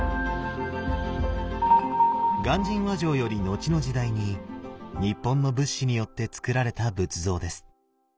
鑑真和上より後の時代に日本の仏師によってつくられた仏像です。